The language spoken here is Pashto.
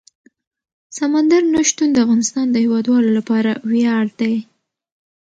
سمندر نه شتون د افغانستان د هیوادوالو لپاره ویاړ دی.